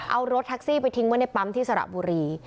เอารถแท็กซี่ไปทิ้งไว้ในปั๊มที่สระบุรี